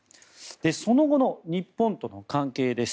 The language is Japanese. その後の日本との関係です。